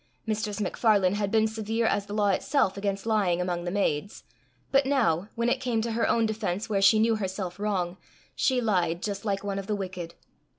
Mistress MacFarlane had been severe as the law itself against lying among the maids, but now, when it came to her own defence where she knew her self wrong, she lied just like one of the wicked.